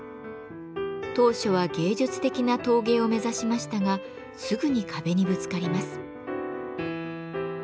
当初は芸術的な陶芸を目指しましたがすぐに壁にぶつかります。